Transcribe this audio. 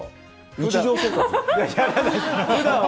日常生活？